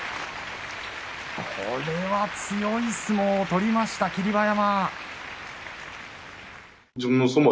これは強い相撲を取りました霧馬山。